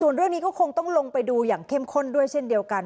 ส่วนเรื่องนี้ก็คงต้องลงไปดูอย่างเข้มข้นด้วยเช่นเดียวกัน